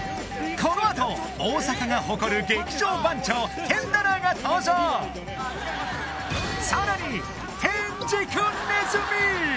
このあと大阪が誇る劇場番長テンダラーが登場さらに天竺鼠